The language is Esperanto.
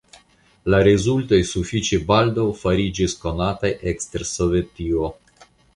La rezultoj sufiĉe baldaŭ fariĝis konataj ekster Sovetio.